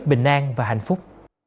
bình an và hạnh phúc